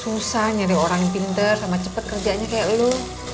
susah nyari orang pinter sama cepat kerjanya kayak lu